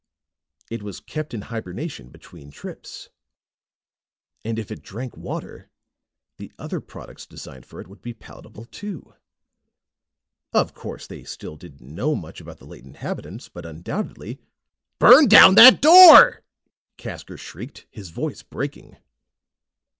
It was kept in hibernation between trips; and if it drank water, the other products designed for it would be palatable, too. Of course they still didn't know much about the late inhabitants, but undoubtedly.... "Burn down that door!" Casker shrieked, his voice breaking.